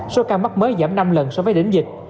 số ca mắc mới giảm năm lần so với đỉnh dịch